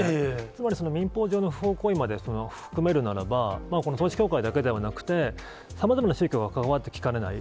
つまり民法上の不法行為まで含めるならば、この統一教会だけではなくて、さまざまな宗教が関わってきかねない。